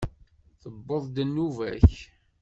Tewweḍ-d nnuba-k!